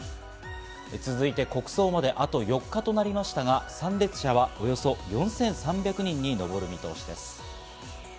続いて、国葬まであと４日となりましたが、参列者はおよそ４３００人に上る見通しです。